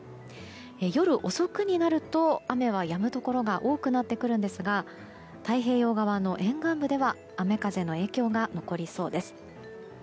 夜遅くになると雨はやむところが多くなってくるんですが太平洋側の沿岸部では雨風の影響が残りそうです。